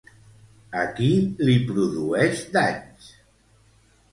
A qui li produeix danys?